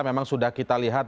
memang sudah kita lihat